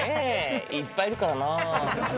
いっぱいいるからな。